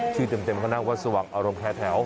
ชื่อเต็มเพราะนั่งวัดสว่างอารมณ์แพทย์แถว